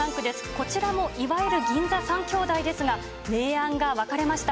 こちらもいわゆる銀座３兄弟ですが、明暗が分かれました。